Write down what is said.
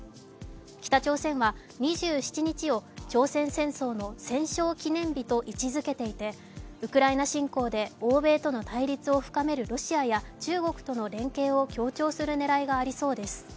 北朝鮮は２７日を朝鮮戦争の戦勝記念日と位置づけていてウクライナ侵攻で欧米との対立を深めるロシアや中国との連携を強調する狙いがありそうです。